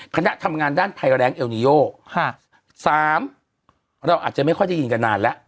คณะทำงานด้านภัยแรงเอลนิโยสามเราอาจจะไม่ค่อยได้ยินกันนานแล้ว